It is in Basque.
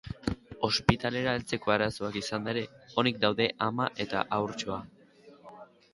Ospitalera heltzeko arazoak izanda ere, onik daude ama eta haurtxoa.